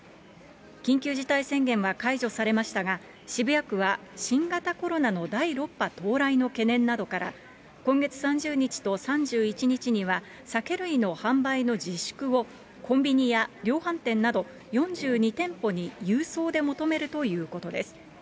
緊急事態宣言は解除されましたが、渋谷区は新型コロナの第６波到来の懸念などから、今月３０日と３１日には酒類の販売の自粛をコンビニや量販店など、４２店舗に郵送で求めるということです。